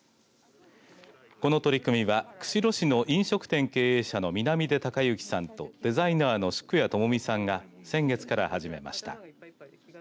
この取り組みは釧路市の飲食店経営者の南出隆之さんとデザイナーの宿谷とも美さんが先月から始めました。